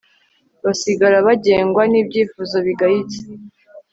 basigara bagengwa n'ibyifuzo bigayitse